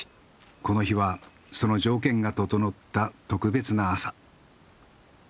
この日はその条件が整った特別な朝。